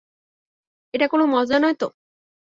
এটা কোনো মজা নয় তো?